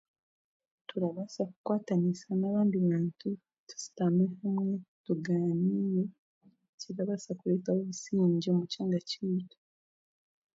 Turabaasa kukwatanisa n'abandi bantu tushutame kumwe tugaaniire kirabaasakureetaho obusingye omu kyanga kyaitu